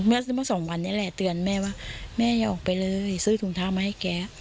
ซื้อมาสองวันนี้แหละเตือนแม่ว่าแม่อย่าออกไปเลยซื้อถุงเท้ามาให้แก